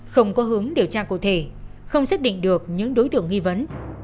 không có hướng điều tra cụ thể không xác định được những đối tượng nghi vấn